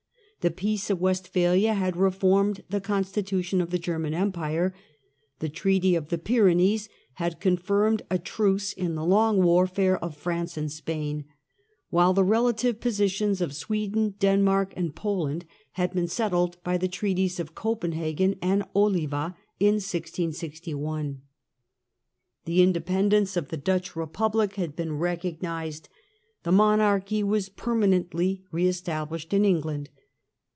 The Peace of West Europeat phalia had reformed the constitution of the German Empire ; the Treaty of the Pyrenees had confirmed a truce in the long warfare of France and Spain ; while the relative positions of Sweden, Denmark, and Poland had been settled by the Treaties of Copen hagen and Oliva in 1661. The independence of the Dutch Republic had been recognised. The monarchy was permanently re established in England.